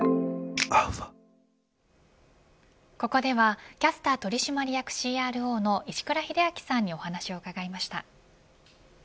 ここではキャスター取締役ＣＲＯの石倉秀明さんにお話を伺いました。